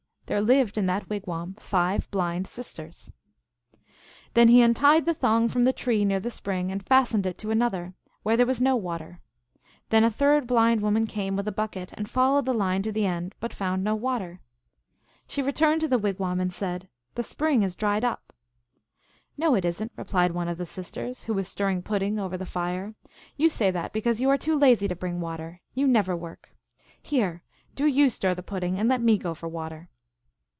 There lived in that wigwam five blind sisters. Then he untied the thong from the tree near the spring and fastened it to another, where there was no water. Then a third blind woman came with a bucket, and followed the line to the end, but found no water. She returned to the wigwam, and said, " The spring is dried up." " No, it is n t," replied one of the sisters, who was stirring pudding over the fire. " You say that be cause you are too lazy to bring water ; you never work. Here, do you stir the pudding, and let mo go for water."